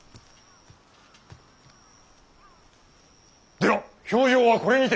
では評定はこれにて。